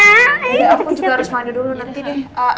aku juga harus mandi dulu nanti deh